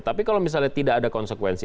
tapi kalau misalnya tidak ada konsekuensi